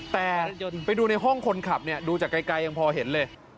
แต่ไปดูในห้องคนขับเนี่ยดูจากไกลยังพอเห็นเลย